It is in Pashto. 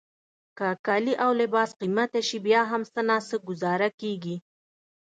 که کالي او لباس قیمته شي بیا هم څه ناڅه ګوزاره کیږي.